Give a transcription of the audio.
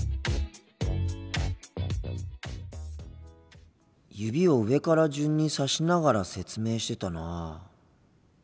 心の声指を上から順に指しながら説明してたな。